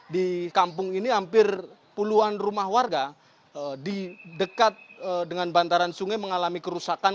di kampung ini hampir puluhan rumah warga di dekat dengan bantaran sungai mengalami kerusakan